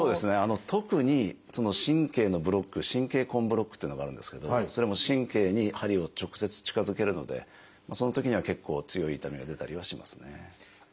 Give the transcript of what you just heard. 特に神経のブロック「神経根ブロック」というのがあるんですけどそれは神経に針を直接近づけるのでそのときには結構強い痛みが出たりはしますね。